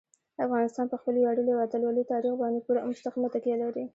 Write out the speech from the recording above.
افغانستان په خپل ویاړلي او اتلولۍ تاریخ باندې پوره او مستقیمه تکیه لري.